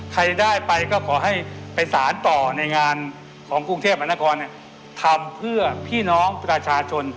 ใครได้ไปก็ขอให้ไปสารต่อในงานของกรุงเทพมหานครทำเพื่อพี่น้องประชาชน